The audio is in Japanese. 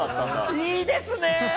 いいですね！